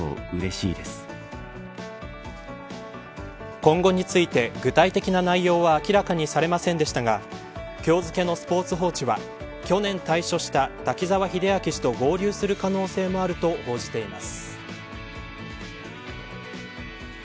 今後について具体的な内容は明らかにされませんでしたが今日付のスポーツ報知は去年、退所した滝沢秀明氏と合流する可能性もあると報じています。